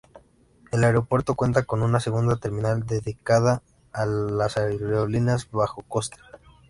El aeropuerto cuenta con una segunda terminal dedicada a las aerolíneas bajo coste.